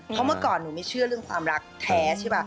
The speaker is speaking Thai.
เพราะเมื่อก่อนหนูไม่เชื่อเรื่องความรักแท้ใช่ป่ะ